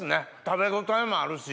食べ応えもあるし。